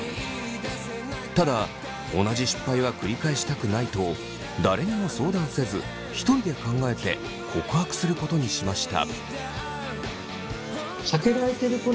ただ同じ失敗は繰り返したくないと誰にも相談せず１人で考えて告白することにしました。